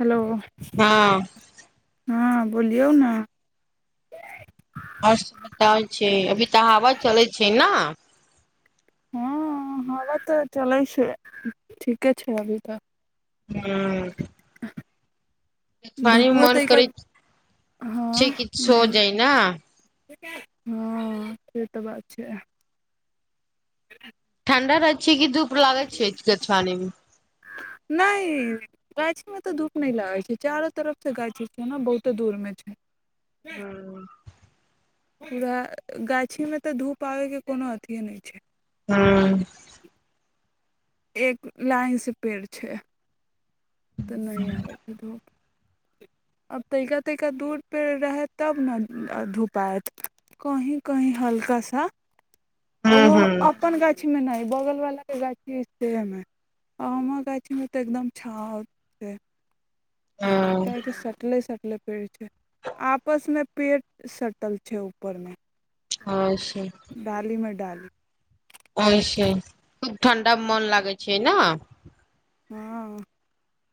hello हँ हँ बोलियौ न [unintelligible] छै अभी तऽ हावा चलै छै न' हँ हावा तऽ चलै छै ठीके छै अभी तऽ हूँ मे धुपबो मन त' करै एकर छै हँ कि सो नहि जाइ ने हँ से तऽ बात छै ठाढ़ रहय छै कि धूप लागत मे [unintelligible] नै गाछी मे तऽ धूप न लागै छै चारो तरफ त गाछी छै न बहुते दूर मे मे छै हँ पूरा गाछी में तऽ धूप आबय के कोनो अथिये नहि छै हुँ एक लाइन सँ पेड़ छै तऽ नहि आबै छै धूप आब तइका तइका दूर पे रहय तब न धूप आएत कही कही हल्का सा ह ह ओहो ह अपन गाछी मे नइ बगल बाला के गाछी अछि तेहै मे आम' गाछी मे त' एकदम छाव छै ह कियैकी सटले स लग रहै छै आपस मे पेड़ सटल छै ऊपर मे हँ छै डाली [inaudible] और छै खूब ठण्डा म' मोन लागै छै न हँ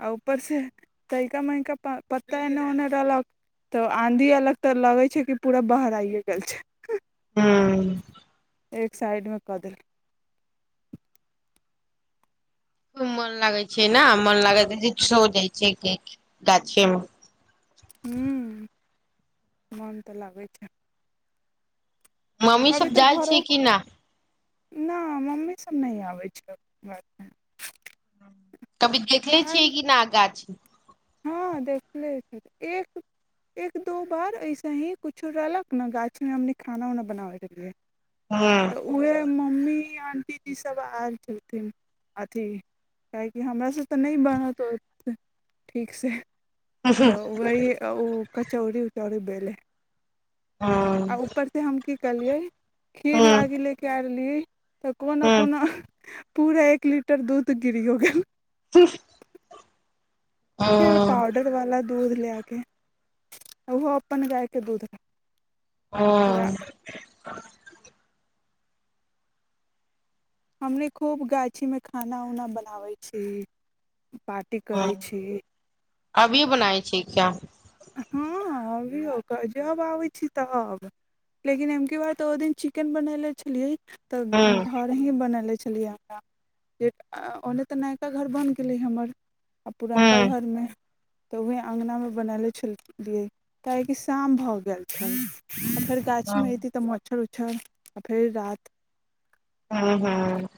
आ उपर से तैका मैका प पत्ता एन्ने ओने रहलो तऽ आँधी एलक तऽ लगय छै कि पूरा बहराइए गेल छै हँ एक साइड मे पदल खूब मन लागै छै न' मन लागे छय की छो दै छै गाछिमे हूँ मन तऽ लागै छै मम्मी अभी सब तऽ जाइ घरो छै कि नै न' मम्मी सब नहि आबै छै घुमे कभी देखले छियै कि नै गाछी हँ देखले हेतय एक एक दो बार ऐसे ही कुछो रहलक न गाछमे हमनी खाना उना बनाबैक रहलियै ह तऽ उहय मम्मी आंटी जी सब आयल छेलथिन अथी काहे की हमरा से तऽ नहि बनत ओ ते ठीक से तऽ वही ओ कचौड़ी उचौड़री बेले आ ऊपर से हम की कलियै ह खीर ह लागी ले के आ रहलियै तऽ कोना हूं कोना पूरा एक लीटर दूध गिरियो गेल हम्म फेर पाउडर बाला दूध ले आके ओहो अपन गायके दूध रहै हहुँ हमनी खूब गाछीमे खाना उना बनाबै छी पार्टी करै हूं छी अभी बनाय छियै किया हँ अबियौ त जब आबै छी तब लेकिन एमक बार तऽ ओ दिन चिकेन बनेले छलियै तऽ हूं घर ही बनेले छ छलियै जे ओने तऽ नयका घर बनि गेलै हमर आ पुरनका हूं घर मे तऽ वेह अगना मे बनाले छै छिय काहेकि शाम भऽ गेल छै फेर हूं गाछी हूं मे एऐती तऽ मच्छर अच्छा आ फेर रात हँ हुँ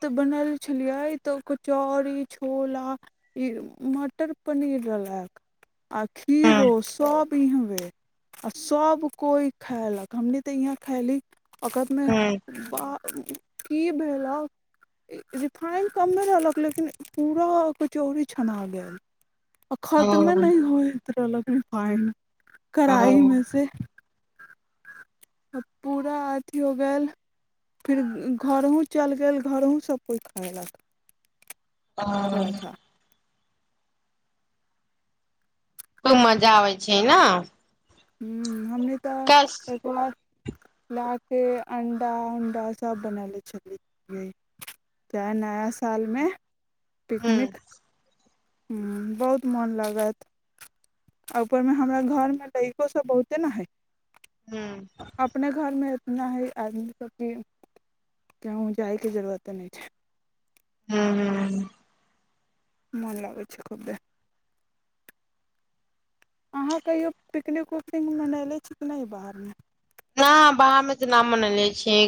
त बनल छलीये त कचौड़ी छोला इ मटर पनीर रहल आ खिरो हूं सभ पीेहंबे आ सब कोइ खयलक हमनी तऽ यहाँ खैली अकत मे हूं ब कि भेलो रिफाइन कममे रहलक लेकिन पूरा कचौरी छना गेल आ खतमे हूं नहि होइत रहलक रीफाइन कड़ाई हूं मे से पूरा अथी हो गेल फेर घरहूँ चलि गेल घरहुँ सभकोइ खयलक हं थोड़ा सा त मजा आबैछै ने ह हमनी तऽ एक बार ला कऽ अण्डा उण्डा सभ बनने छलीयै से नया सालमे हूं पिकनिक हूं बहुत मोन लागत आ ऊपर मे हमरा घर मे इको सब बहुते ने है हूं अपने घरमे न ह आदमी सबके केहूं जाइ के जरूरत नहि छै हूं हूं मन लागै छै खुबे अहाँ कहियो पिकनिको कि मनयने छीकि नहि बाहरमे न बाहरमे तऽ न मनेले छियै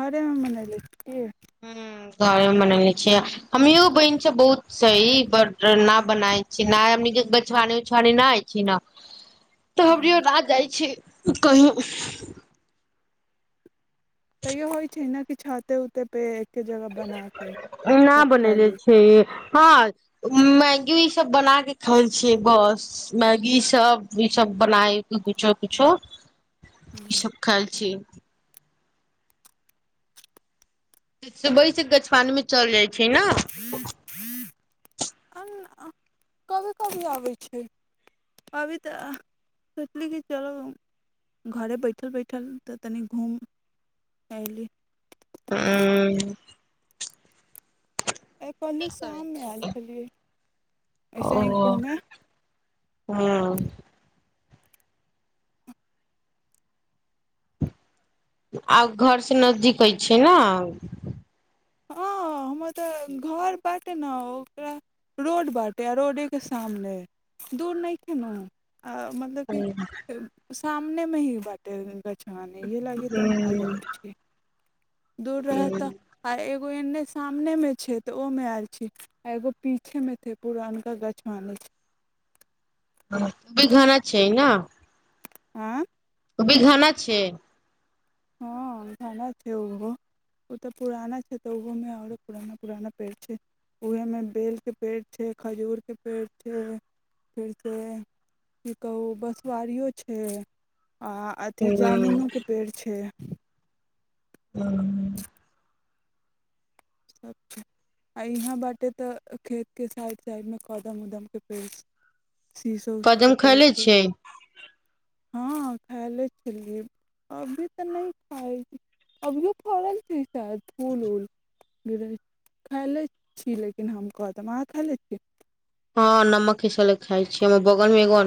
घरेमे मनइले छियै हहुँ घरे मे मनेने छियै हमीयो बहिन छ बहुत छही बड न बनाय न एमनी क बचवानी उछवानी नहि होय छै न तऽ ह्म हमरियो ना जाइ छै कही तैयो होइ छै न कि छाते उते पे एके जगह बना कऽ न सभ बनेले खायली छिय हँ मैगी ई सब बना के खैल छियै बस मैगी सब ई सब बनाय के कुछो कुछो ई सब खायल छी सुबहि सँ गछवानि मे चलि जाइ छिये ने अ कभी कभी आबै छै अवि त सोचली कि चलो घरे बैठल बैठल तऽ तनि घूम अयली हूं त कहलले करै शाममे छी आयल छलियै ऐसे ही घूमे हँ आव घर से नजदीक अछि न हँ हमर तऽ घर बाटे न ओकरा रोड बाटै आ रोडेके सामने दूर नइखे नु अ मतलब की हूँ सामने मे ही बाटे गछ ह य लागे तऽ आ जाय छ दूर रह त आ ए गो एन्ने सामने मे छै तऽ ओ मे आयल छी आ एगो पीछे मे छैे पुरनका गछ मानै छै भी घाना छै न आँ ओ भी घाना छै हाँ घाना छै ओहो ओ तऽ पुराना छै तऽ ओहोमे आओरो पुराना पुराना पेड़ छै उएहेमे बेलके पेड़ छै खजूरके पेड़ छै फेरसे की कहू बसवाड़ीयो छै आ अथि जामुनोके पेड़ छै [unintelligible] [unintelligible] आ यहाँ बाँटे तऽ खेतके साइड साइडमे कदम उदम के पेड़ छै शीशो उसो के कदम खैले पेड़के छियै [unintelligible] अभी तऽ नहि खाई अभियो फड़ल छै श बूलोल गिरै खाय ले छी लेकिन हम कहतब अहाँ खाय ले छियै हाँ नमक खैस ल खाय छे हमर बगल मे एगो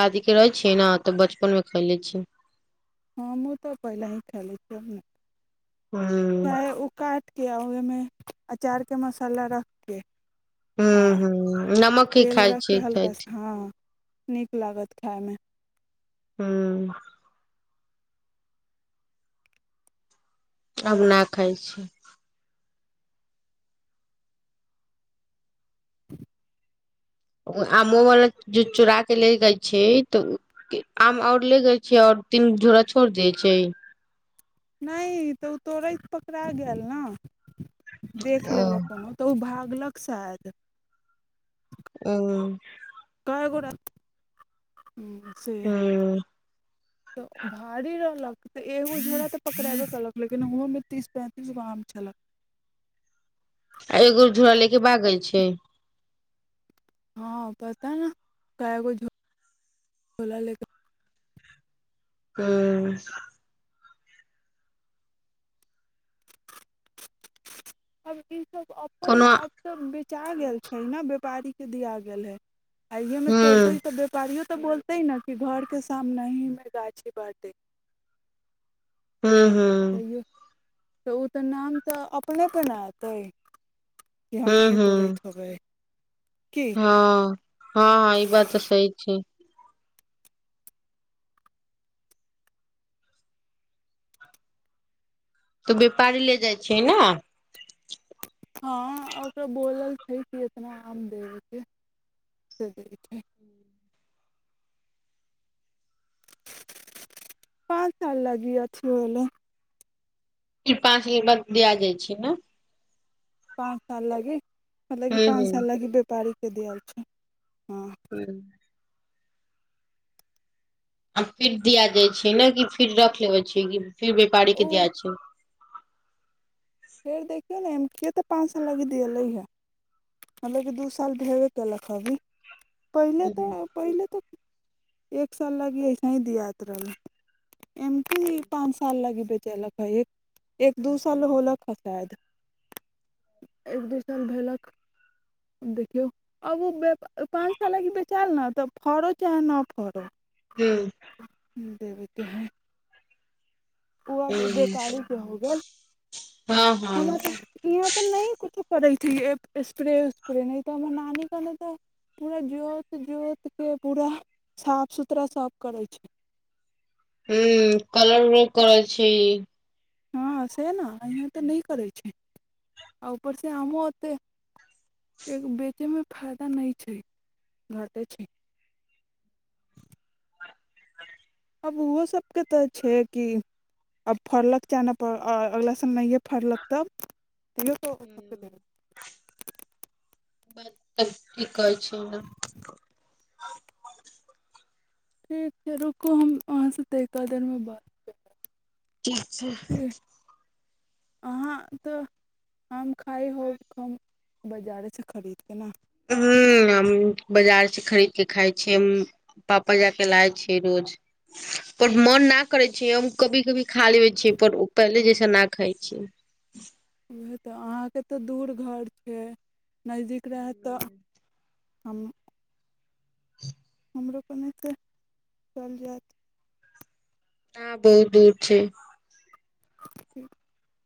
दादी के रहै छियै ने तऽ बचपन मे खाले छीयै [unintelligible] हमहु तऽ पहिल ही खेले छिय हूं चाहे ओ काठ के आ ओे में अचार के मसाला रख के आ ह्म ह्म नमके ही तेल खाय रख के छी खाय हल्का सा छी हँ नीक लागत खायमे हूम आब ना खाइ छी आमो वाला जे चूड़ा के ले गय छै तऽ आम आओर ले गय छै ओर तीन झोड़ा छोड़ दैय छै नहि तऽ ओ तोड़ैत पकड़ा गेल ना देख ओ लेलक कोनो तऽ ओ भागलक शायद [unintelligible] [unintelligible] हूं तऽ भारी रहलक तऽ एगो झोड़ा तऽ पकड़ेबो केलक लेकिन ओहोमे तीस पैंतीस गो आम छलै आ एगो झोला लेके भागल छै हाँ पता ना केगो झोला लेेके ह [unintelligible] आब इसभ अपन कोनो आप तऽ बेचा गेल छै ने व्यापारीके दिया गेल हैय आइयए मे हूं तोड़ तो ह त व्यपारी हऽ तऽ बोलतेै न कि घर के सामने ही मे गाछी बाटे हूम हूम तैयो तऽ ओ तऽ नाम तऽ अपनेके न होइत कि हमनीए तोड़ित हैबै हाँ हाँ हाँ ई बात तऽ सही छै तऽ व्यापारी ले जाइ छियै ना हाँ ओकरा बोलल छै कि इतना आम देबैके [unintelligible] पाँच साल लागि अथि भेलयै फर पाँच ग बाद द जाइ छै ने पाँच साल लागी मतलब क हूँ पाँच साल हूँ लागी व्यापारी के दैयाल छै हँ [unintelligible] आ फिर दिया जाइ छै ने कि फिर रख लेबै छी फिर व्यापारी के ओ दिया छै फेर देखियौ ने एम किए तऽ पाँच सौ लगि दियलै हे हमे एक दू साल भेबे कैलक स अभी पहिले हूँ हूँ तऽ पहिले तऽ एक साल लागियइ ऐसा ही दियात रहल एम कि पाँंच साल लागी बेचेलक है एक एक दू साल होलक क फैद [unintelligible] एक दू साल भेलक देखियौ आब ओ पाँच साल लागी बेचायल ने तऽ फरो चाहे न फरो हूं देबे के है उ आप हूँ व्यापारी के हो गेल हँ हँ हम यहाँ तऽ नहि कुछो करै छै स्प्रे उस्प्रे नहि तऽ हमर नानी के ने तऽ पूरा जोत जोत के पूरा साफ सुथरा सभ करै छै हूं कलर उलर करै छी हँ से न यहाँ तऽ नहि करै छै आ ऊपरसँ आमो ओते एक बेचयमे फायदा नहि छै घटै छै [inaudible] आब ओहो सबके तऽ छै कि आब फड़लक चाहे न पर आ अगला साल नहिए फड़लक तब [unintelligible] बात तब ठीक कहै छै ने ठीक छै रुक क छ अहाँ तऽ आम खाइ होब खूम बाजारेसँ खरीदके ने हूँ हम बजार से खरीद के खाय छै पापा जा के लाय छै रोज पर मन न करै छै हम कभी कभी खा लेबै छियै पर पहिले जैसे न खाइ छीयै उएह तऽ अहाँके तऽ दूर घर के नजदीक रहत तऽ हम [inaudible] रुक ने तँ चल जात हँ बहुत दूर छै [inaudible]